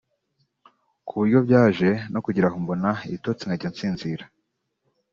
ku buryo byaje no kugeraho mbona ibitotsi nkajya nsinzira